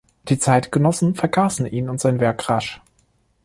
Die Zeitgenossen vergaßen ihn und sein Werk rasch.